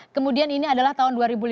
kemudian ini adalah tahun dua ribu lima belas